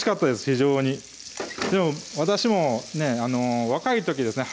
非常にでも私もね若い時ですね